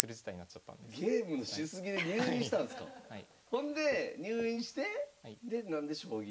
ほんで入院してで何で将棋に？